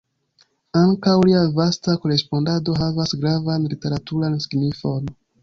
Ankaŭ lia vasta korespondado havas gravan literaturan signifon.